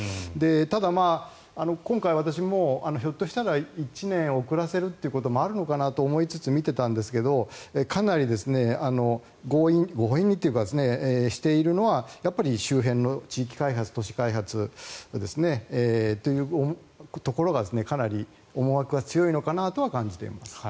ただ、今回私もひょっとしたら１年遅らせることもあるのかなと思って見てたんですがかなり強引にしているのは周辺の地域開発都市開発というところがかなり思惑が強いのかなとは感じています。